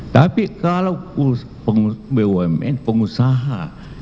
tapi kalau bumn pengusaha